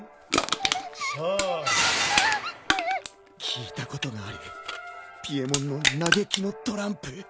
聞いたことがあるピエモンの嘆きのトランプ。